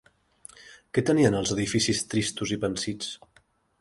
Què tenien els edificis tristos i pansits?